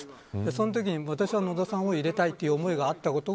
そのときに私は野田さんを入れたいという思いがあったこと